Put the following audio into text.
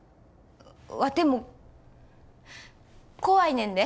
ワテも怖いねんで。